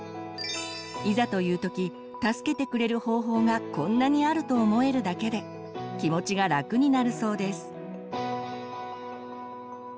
いざという時助けてくれる方法がこんなにあると思えるだけで気持ちがラクになるそうです。